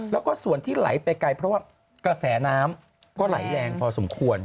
แล้วก็ส่วนที่ไหลไปไกลเพราะว่ากระแสน้ำก็ไหลแรงพอสมควร